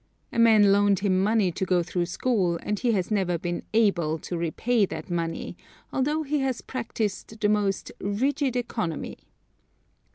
A man loaned him money to go through school, and he has never been "able" to repay that money, although he has practiced the most "rigid economy."